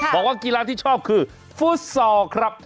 บอกว่ากีฬาที่ชอบคือฟุตซอลครับ